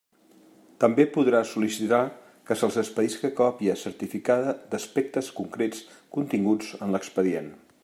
També podrà sol·licitar que se'ls expedisca còpia certificada d'aspectes concrets continguts en l'expedient.